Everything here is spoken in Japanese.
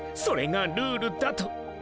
それがルールだ」と。